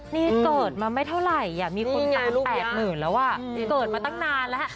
นี่เกิดมาไม่เท่าไรอ่ะนี่ไงลูกยาวมีคนตามแปดหมื่นแล้วอ่ะเกิดมาตั้งนานแล้วอ่ะ